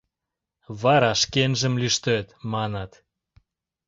Вара шкенжым лӱштет, маныт.